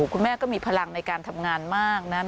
คุณแม่ก็มีพลังในการทำงานมากนะครับ